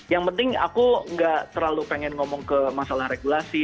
yang penting aku gak terlalu pengen ngomong ke masalah regulasi